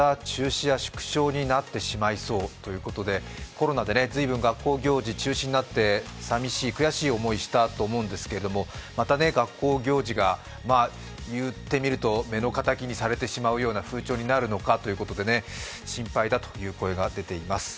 コロナで随分学校行事が中止になって悔しい思いをしたと思うんですけど、また学校行事が、言ってみると目の敵にされてしまう風潮になるのかということで心配だという声が出ています。